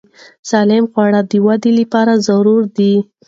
سالم خواړه د وده لپاره ضروري دي.